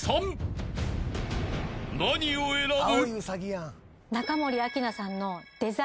［何を選ぶ？］